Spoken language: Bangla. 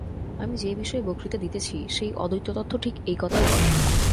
আমি যে-বিষয়ে বক্তৃতা দিতেছি, সেই অদ্বৈততত্ত্ব ঠিক এই কথাই বলে।